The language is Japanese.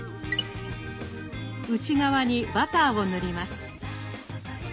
内側にバターを塗ります。